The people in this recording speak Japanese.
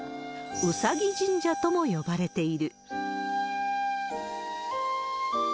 うさぎ神社とも呼ばれている。